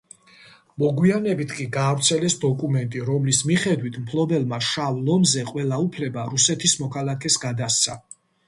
მოგვიანებით კი გაავრცელეს დოკუმენტი, რომლის მიხედვით, მფლობელმა „შავ ლომზე“ ყველა უფლება რუსეთის მოქალაქეს გადასცა.